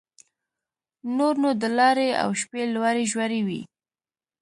نور نو د لارې او شپې لوړې ژورې وې.